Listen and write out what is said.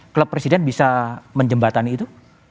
klub presiden bisa menjembatani itu